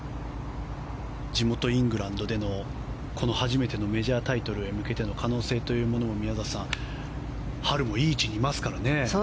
地元イングランドでの初めてのメジャータイトルに向けての可能性というものを宮里さん、ハルもいい位置にいますから。